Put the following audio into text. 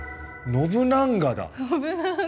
ノブナンガ。